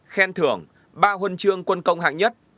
khen thưởng ba huân chương quân công hạng nhất